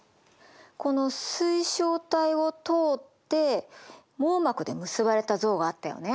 この水晶体を通って網膜で結ばれた像があったよね？